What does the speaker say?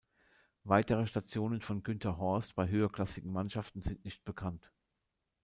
Weitere Stationen von Günter Horst bei höherklassigen Mannschaften sind nicht bekannt.